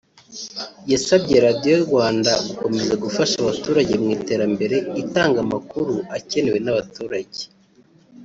yasabye Radio Rwanda gukomeza gufasha abaturage mu iterambere itanga amakuru akenewe n’abaturage